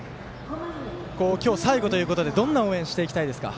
今日最後ということでどんな応援していきたいですか。